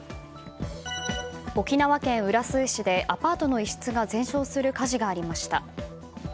沖縄県浦添市でアパートの一室が全焼する火事がありました。